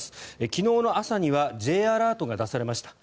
昨日の朝にはＪアラートが出されました。